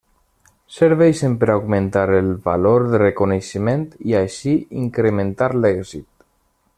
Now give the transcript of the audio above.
Serveixen per augmentar el valor de reconeixement, i així incrementar l'èxit.